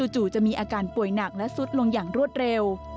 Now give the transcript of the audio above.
จู่จะมีอาการป่วยหนักและซุดลงอย่างรวดเร็ว